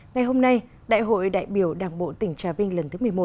ngày hôm nay đại hội đại biểu đảng bộ tỉnh trà vinh lần thứ một mươi một